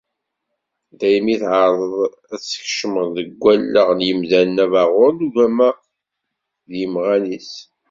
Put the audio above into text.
Daymi i εerḍen ad skecmen deg wallaɣ n yimdanen abaɣur n ugama d yimɣan-is.